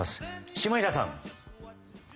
下平さん。